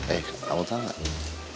eh kamu tau gak nih